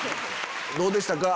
どうでしたか？